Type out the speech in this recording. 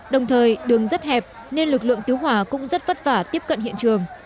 đồng thời đường rất hẹp nên lực lượng cứu hỏa cũng rất vất vả tiếp cận hiện trường